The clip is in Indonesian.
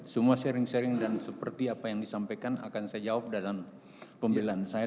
semua sharing sharing dan seperti apa yang disampaikan akan saya jawab dalam pembelian saya